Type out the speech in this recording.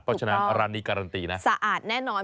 เพราะฉะนั้นร้านนี้การันตีนะสะอาดแน่นอน